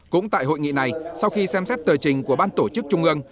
cũng tại hội nghị này sau khi xem xét tờ trình của ban tổ chức trung ương